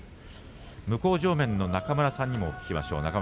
向正面の中村さんにも聞きます。